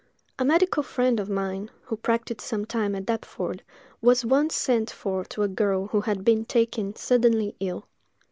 A medical friend of mine, who practised some time at Deptford, was once sent for to a girl who had been taken suddenly ill.